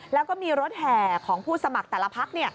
แล้วก็มีรถแห่ของผู้สมัครแต่ละพัก